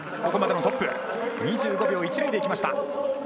ここまでのトップ２５秒１０でいきました。